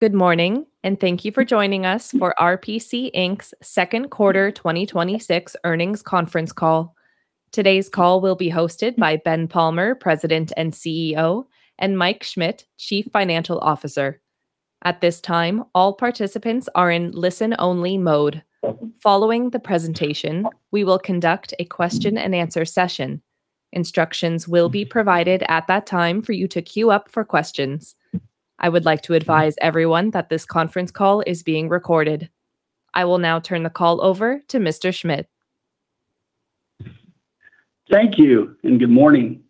Good morning, and thank you for joining us for RPC, Inc's second quarter 2026 earnings conference call. Today's call will be hosted by Ben Palmer, President and CEO, and Mike Schmit, Chief Financial Officer. At this time, all participants are in listen-only mode. Following the presentation, we will conduct a question and answer session. Instructions will be provided at that time for you to queue up for questions. I would like to advise everyone that this conference call is being recorded. I will now turn the call over to Mr. Schmit. Thank you, and good morning.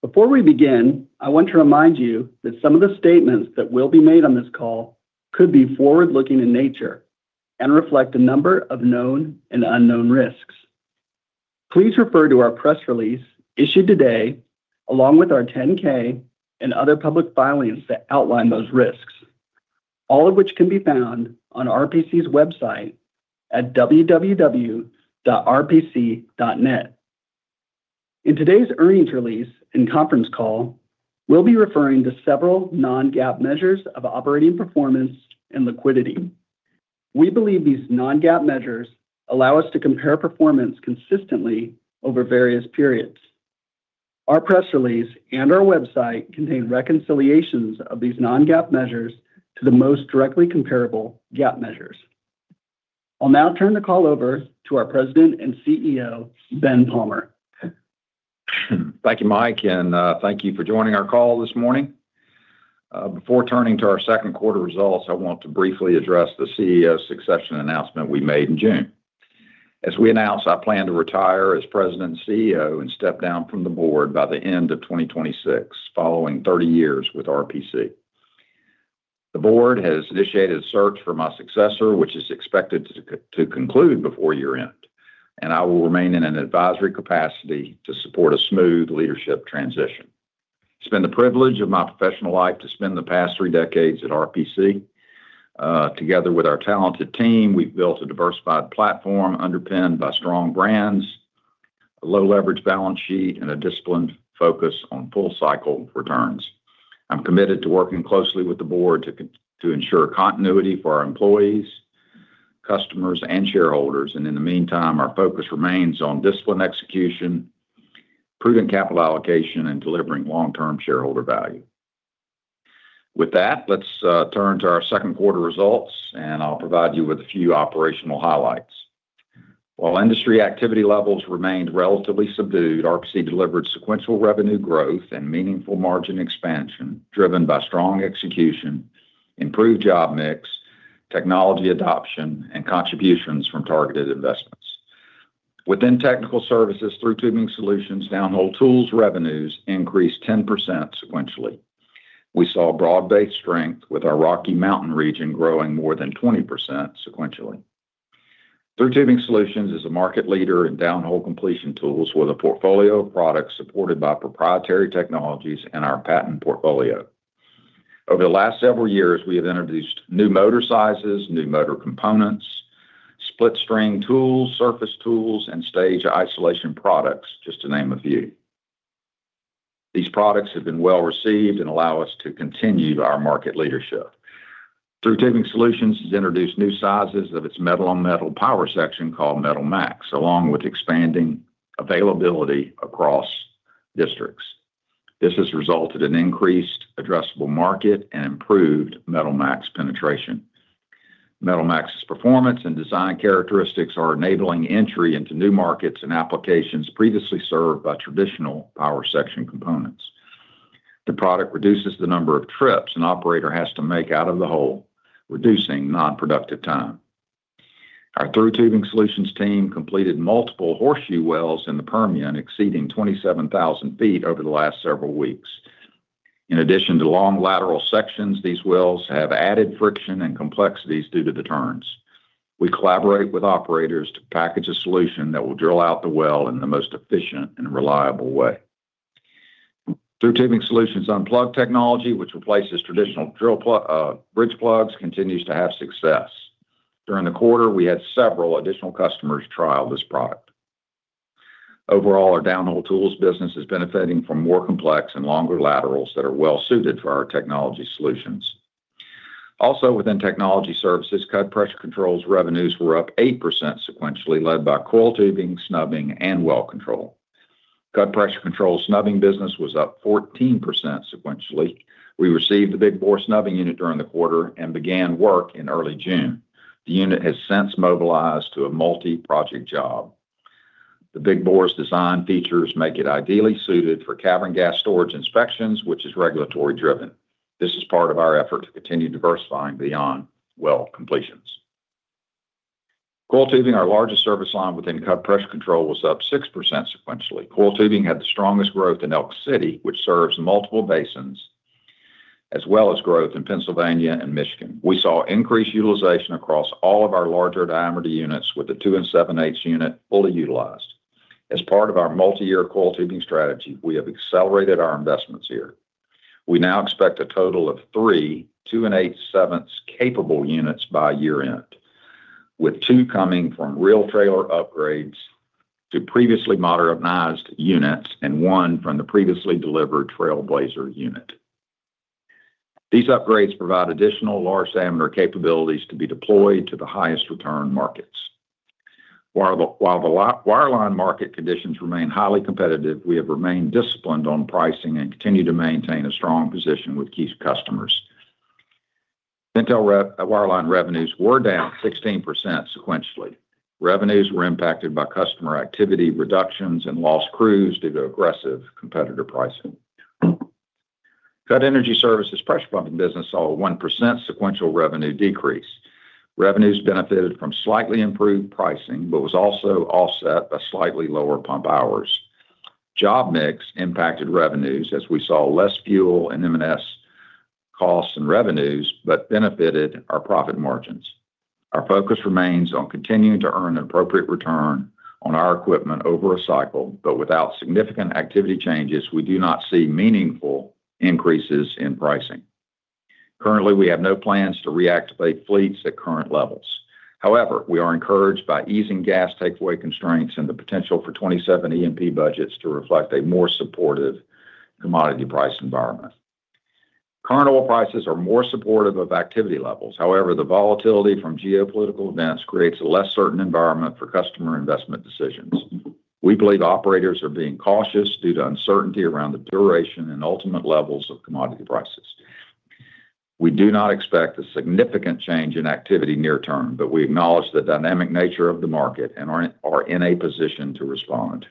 Before we begin, I want to remind you that some of the statements that will be made on this call could be forward-looking in nature and reflect a number of known and unknown risks. Please refer to our press release issued today, along with our 10-K and other public filings that outline those risks. All of which can be found on RPC's website at www.rpc.net. In today's earnings release and conference call, we will be referring to several non-GAAP measures of operating performance and liquidity. We believe these non-GAAP measures allow us to compare performance consistently over various periods. Our press release and our website contain reconciliations of these non-GAAP measures to the most directly comparable GAAP measures. I will now turn the call over to our President and CEO, Ben Palmer. Thank you, Mike, and thank you for joining our call this morning. Before turning to our second quarter results, I want to briefly address the CEO succession announcement we made in June. As we announced, I plan to retire as President and CEO and step down from the board by the end of 2026, following 30 years with RPC. The board has initiated a search for my successor, which is expected to conclude before year-end, and I will remain in an advisory capacity to support a smooth leadership transition. It has been the privilege of my professional life to spend the past three decades at RPC. Together with our talented team, we have built a diversified platform underpinned by strong brands, a low leverage balance sheet, and a disciplined focus on full-cycle returns. I am committed to working closely with the board to ensure continuity for our employees, customers, and shareholders. In the meantime, our focus remains on disciplined execution, prudent capital allocation, and delivering long-term shareholder value. With that, let's turn to our second quarter results, and I will provide you with a few operational highlights. While industry activity levels remained relatively subdued, RPC delivered sequential revenue growth and meaningful margin expansion driven by strong execution, improved job mix, technology adoption, and contributions from targeted investments. Within Technical Services, ThruTubing Solutions downhole tools revenues increased 10% sequentially. We saw broad-based strength with our Rocky Mountain region growing more than 20% sequentially. ThruTubing Solutions is a market leader in downhole completion tools with a portfolio of products supported by proprietary technologies and our patent portfolio. Over the last several years, we have introduced new motor sizes, new motor components, split string tools, surface tools, and stage isolation products, just to name a few. These products have been well-received and allow us to continue our market leadership. ThruTubing Solutions has introduced new sizes of its metal-on-metal power section called MetalMax, along with expanding availability across districts. This has resulted in increased addressable market and improved MetalMax penetration. MetalMax's performance and design characteristics are enabling entry into new markets and applications previously served by traditional power section components. The product reduces the number of trips an operator has to make out of the hole, reducing non-productive time. Our ThruTubing Solutions team completed multiple horseshoe wells in the Permian, exceeding 27,000 feet over the last several weeks. In addition to long lateral sections, these wells have added friction and complexities due to the turns. We collaborate with operators to package a solution that will drill out the well in the most efficient and reliable way. ThruTubing Solutions' UnPlug technology, which replaces traditional bridge plugs, continues to have success. During the quarter, we had several additional customers trial this product. Overall, our downhole tools business is benefiting from more complex and longer laterals that are well suited for our technology solutions. Also within Technical Services, Cudd Pressure Control's revenues were up 8% sequentially, led by coiled tubing, snubbing, and well control. Cudd Pressure Control snubbing business was up 14% sequentially. We received the big bore snubbing unit during the quarter and began work in early June. The unit has since mobilized to a multi-project job. The big bore's design features make it ideally suited for cavern gas storage inspections, which is regulatory driven. This is part of our effort to continue diversifying beyond well completions. Coiled tubing, our largest service line within Cudd Pressure Control, was up 6% sequentially. Coiled tubing had the strongest growth in Elk City, which serves multiple basins, as well as growth in Pennsylvania and Michigan. We saw increased utilization across all of our larger diameter units, with the 2 7/8-inch unit fully utilized. As part of our multi-year coiled tubing strategy, we have accelerated our investments here. We now expect a total of three 2 7/8-inch capable units by year-end, with two coming from reel trailer upgrades to previously modernized units and one from the previously delivered trailblazer unit. These upgrades provide additional large diameter capabilities to be deployed to the highest return markets. While the wireline market conditions remain highly competitive, we have remained disciplined on pricing and continue to maintain a strong position with key customers. Pintail wireline revenues were down 16% sequentially. Revenues were impacted by customer activity reductions and lost crews due to aggressive competitor pricing. Cudd Energy Services pressure pumping business saw a 1% sequential revenue decrease. Revenues benefited from slightly improved pricing, was also offset by slightly lower pump hours. Job mix impacted revenues as we saw less fuel and M&S costs and revenues but benefited our profit margins. Our focus remains on continuing to earn an appropriate return on our equipment over a cycle, but without significant activity changes, we do not see meaningful increases in pricing. Currently, we have no plans to reactivate fleets at current levels. We are encouraged by easing gas takeaway constraints and the potential for 2027 E&P budgets to reflect a more supportive commodity price environment. Current oil prices are more supportive of activity levels. The volatility from geopolitical events creates a less certain environment for customer investment decisions. We believe operators are being cautious due to uncertainty around the duration and ultimate levels of commodity prices. We do not expect a significant change in activity near term, but we acknowledge the dynamic nature of the market and are in a position to respond.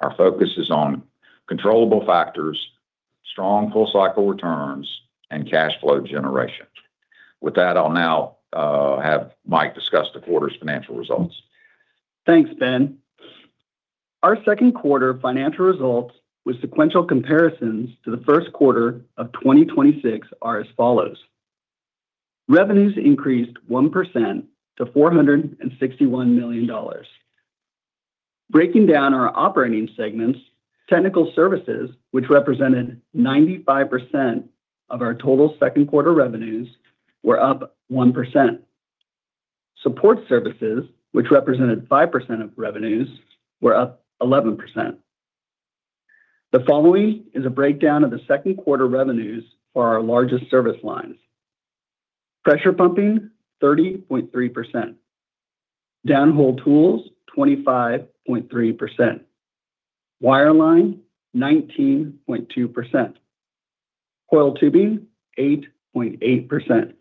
Our focus is on controllable factors, strong full cycle returns, and cash flow generation. With that, I'll now have Mike discuss the quarter's financial results. Thanks, Ben. Our second quarter financial results with sequential comparisons to the first quarter of 2026 are as follows. Revenues increased 1% to $461 million. Breaking down our operating segments, Technical Services, which represented 95% of our total second quarter revenues, were up 1%. Support services, which represented 5% of revenues, were up 11%. The following is a breakdown of the second quarter revenues for our largest service lines. Pressure pumping, 30.3%. Downhole tools, 25.3%. Wireline, 19.2%. Coiled tubing, 8.8%.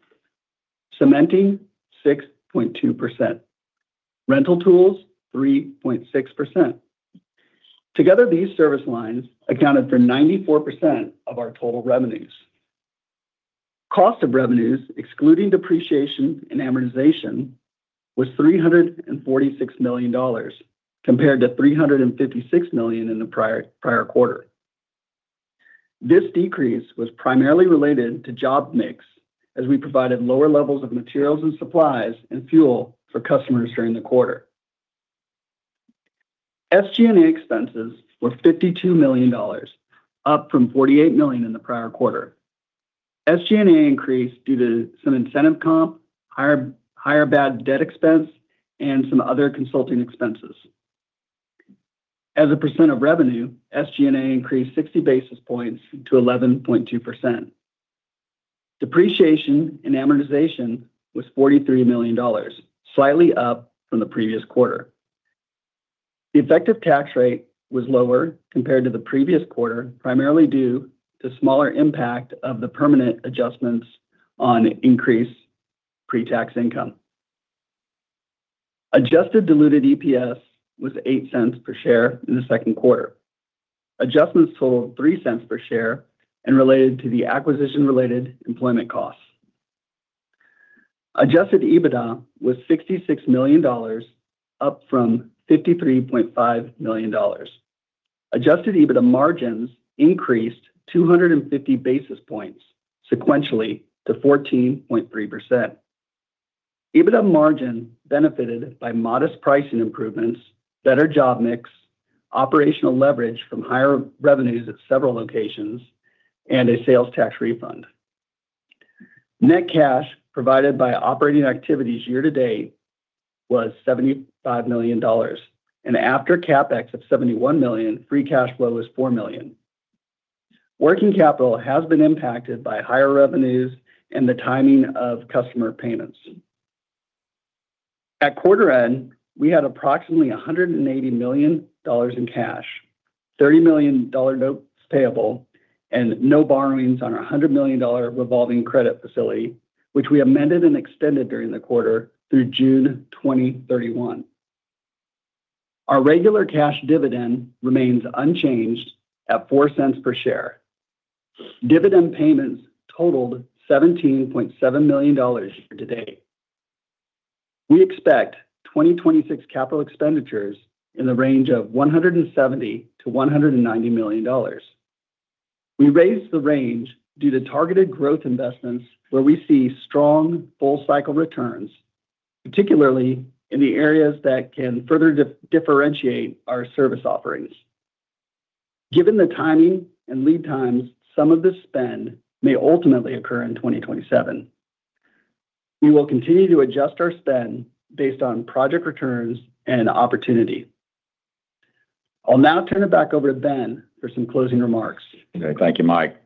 Cementing, 6.2%. Rental tools, 3.6%. Together, these service lines accounted for 94% of our total revenues. Cost of revenues, excluding depreciation and amortization, was $346 million compared to $356 million in the prior quarter. This decrease was primarily related to job mix as we provided lower levels of materials and supplies and fuel for customers during the quarter. SG&A expenses were $52 million, up from $48 million in the prior quarter. SG&A increased due to some incentive comp, higher bad debt expense, and some other consulting expenses. As a percent of revenue, SG&A increased 60 basis points to 11.2%. Depreciation and amortization was $43 million, slightly up from the previous quarter. The effective tax rate was lower compared to the previous quarter, primarily due to smaller impact of the permanent adjustments on increased pre-tax income. Adjusted diluted EPS was $0.08 per share in the second quarter. Adjustments totaled $0.03 per share and related to the acquisition-related employment costs. Adjusted EBITDA was $66 million, up from $53.5 million. Adjusted EBITDA margins increased 250 basis points sequentially to 14.3%. EBITDA margin benefited by modest pricing improvements, better job mix, operational leverage from higher revenues at several locations, and a sales tax refund. Net cash provided by operating activities year to date was $75 million, and after CapEx of $71 million, free cash flow was $4 million. Working capital has been impacted by higher revenues and the timing of customer payments. At quarter end, we had approximately $180 million in cash, $30 million notes payable, and no borrowings on our $100 million revolving credit facility, which we amended and extended during the quarter through June 2031. Our regular cash dividend remains unchanged at $0.04 per share. Dividend payments totaled $17.7 million year to date. We expect 2026 capital expenditures in the range of $170 million-$190 million. We raised the range due to targeted growth investments where we see strong full cycle returns, particularly in the areas that can further differentiate our service offerings. Given the timing and lead times, some of the spend may ultimately occur in 2027. We will continue to adjust our spend based on project returns and opportunity. I'll now turn it back over to Ben for some closing remarks. Okay. Thank you, Mike.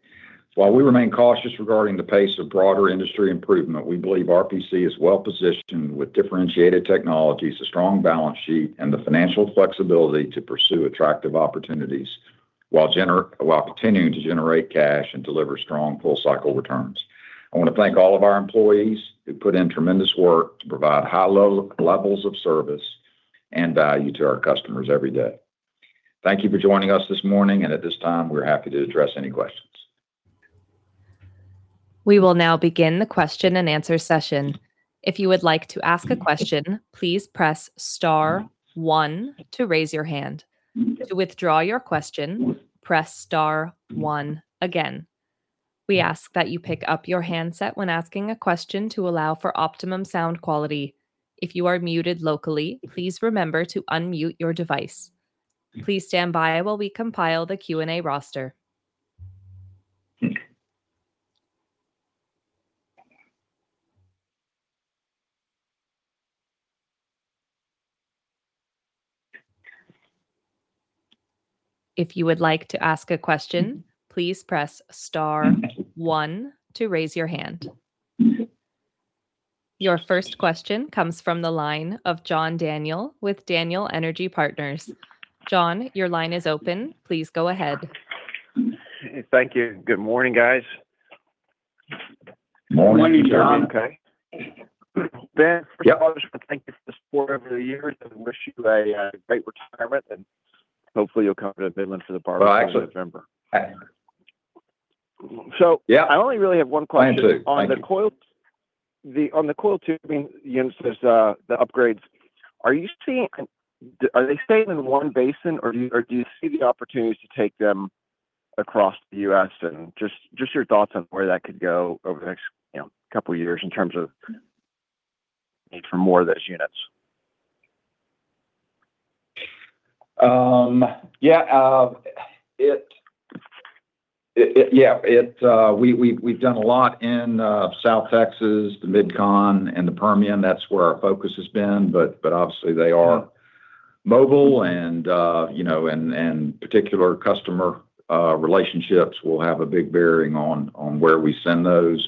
While we remain cautious regarding the pace of broader industry improvement, we believe RPC is well-positioned with differentiated technologies, a strong balance sheet, and the financial flexibility to pursue attractive opportunities, while continuing to generate cash and deliver strong full-cycle returns. I want to thank all of our employees who put in tremendous work to provide high levels of service and value to our customers every day. Thank you for joining us this morning. At this time, we're happy to address any questions. We will now begin the question and answer session. If you would like to ask a question, please press star one to raise your hand. To withdraw your question, press star one again. We ask that you pick up your handset when asking a question to allow for optimum sound quality. If you are muted locally, please remember to unmute your device. Please stand by while we compile the Q&A roster. If you would like to ask a question, please press star one to raise your hand. Your first question comes from the line of John Daniel with Daniel Energy Partners. John, your line is open. Please go ahead. Thank you. Good morning, guys. Morning, John. Morning, John. Okay. Ben, first of all. Yep just thank you for the support over the years and wish you a great retirement, and hopefully you'll come to Midland for the barbecue in November. Well, I actually- So- Yeah I only really have one question. Plan to. Thank you. On the coiled tubing units, the upgrades, are they staying in one basin or do you see the opportunities to take them across the U.S.? Just your thoughts on where that could go over the next couple of years in terms of need for more of those units. Yeah. We've done a lot in South Texas, the MidCon and the Permian. That's where our focus has been. Obviously, they are mobile and particular customer relationships will have a big bearing on where we send those.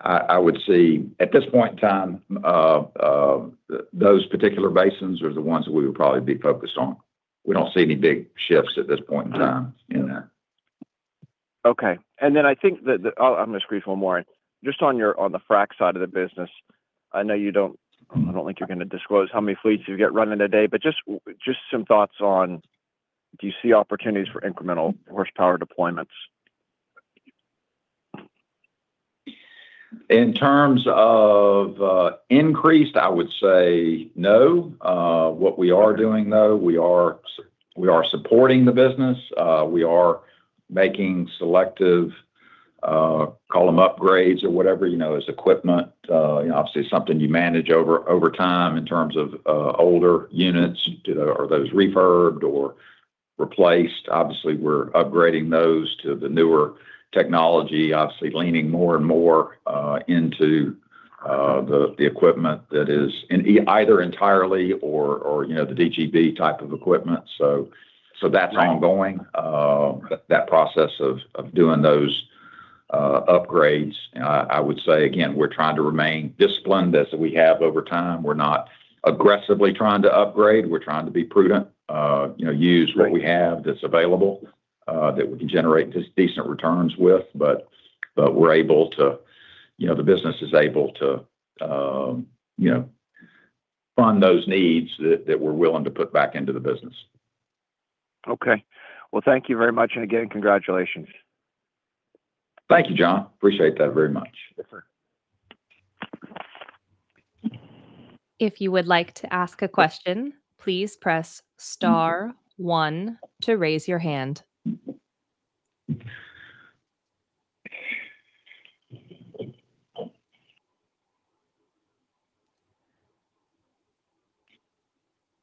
I would say at this point in time, those particular basins are the ones that we would probably be focused on. We don't see any big shifts at this point in time in that. Okay. I think that, I'm going to squeeze one more in. Just on the frac side of the business, I know you don't, I don't think you're going to disclose how many fleets you get running a day, but just some thoughts on do you see opportunities for incremental horsepower deployments? In terms of increased, I would say no. What we are doing, though, we are supporting the business. We are making selective, call them upgrades or whatever, as equipment. Obviously, something you manage over time in terms of older units. Are those refurbed or replaced? Obviously, we're upgrading those to the newer technology, obviously leaning more and more into the equipment that is either entirely or the DGB type of equipment. Right That's ongoing, that process of doing those upgrades. I would say, again, we're trying to remain disciplined as we have over time. We're not aggressively trying to upgrade. We're trying to be prudent. Use what we have that's available, that we can generate decent returns with. The business is able to fund those needs that we're willing to put back into the business. Okay. Well, thank you very much, again, congratulations. Thank you, John. Appreciate that very much. Sure. If you would like to ask a question, please press star one to raise your hand.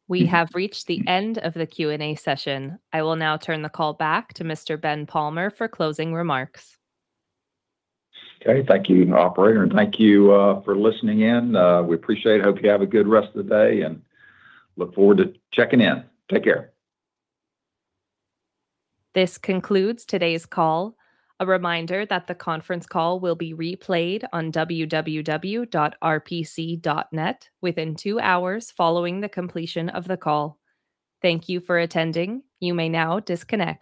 We have reached the end of the Q&A session. I will now turn the call back to Mr. Ben Palmer for closing remarks. Okay. Thank you, operator, thank you for listening in. We appreciate it. Hope you have a good rest of the day and look forward to checking in. Take care. This concludes today's call. A reminder that the conference call will be replayed on www.rpc.net within two hours following the completion of the call. Thank you for attending. You may now disconnect